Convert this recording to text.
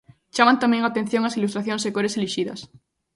Chaman tamén a atención as ilustracións e cores elixidas.